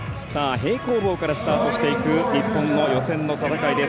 平行棒からスタートしていく日本の予選の戦いです。